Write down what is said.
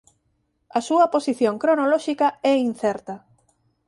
A súa posición cronolóxica é incerta.